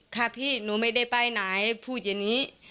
ค่ะพี่หนูไม่ได้ไปไหนพูดอย่างนี้